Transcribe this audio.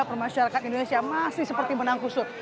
permasyarakat indonesia masih seperti menang kusut